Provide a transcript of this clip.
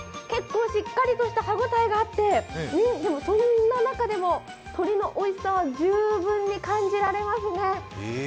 結構しっかりとした歯応えがあって、でも、そんな中でも鶏のおいしさは十分に感じられますね。